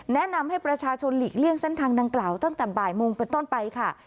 แนะนำให้ประชาชนหลีกเลี่ยงเส้นทางดังกล่าวตั้งแต่บ่ายโมงเป็นต้นไปค่ะ